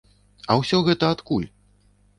А ўсё гэта адкуль?